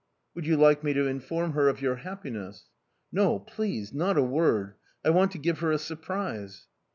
"Would you like me to inform her of your happiness?" "No, please, not a word... I want to give her a surprise"...